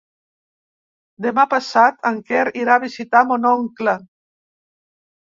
Demà passat en Quer irà a visitar mon oncle.